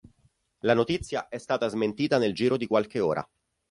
La notizia è stata smentita nel giro di qualche ora.